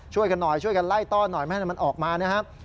ช่วยกันหน่อยช่วยกันไล่ต้อนหน่อยไม่ให้มันออกมานะครับ